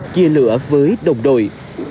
chia lửa với đồng đội